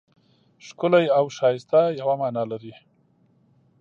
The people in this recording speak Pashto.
ښکلی او ښایسته یوه مانا لري.